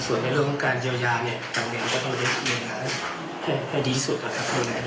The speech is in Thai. ส่วนในเรื่องของการเยียวยากลางเรียนก็ต้องได้เยียวยาให้ดีสุดครับ